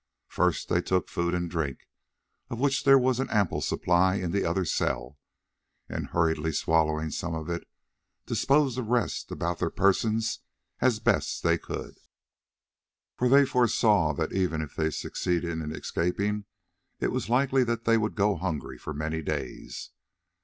First they took food and drink, of which there was an ample supply in the other cell, and hurriedly swallowing some of it, disposed the rest about their persons as best they could, for they foresaw that even if they succeeded in escaping, it was likely that they would go hungry for many days.